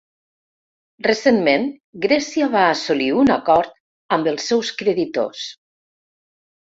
Recentment, Grècia va assolir un acord amb els seus creditors.